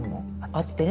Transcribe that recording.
あってね